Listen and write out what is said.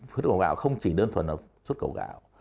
xuất cầu gạo không chỉ đơn thuần là xuất cầu gạo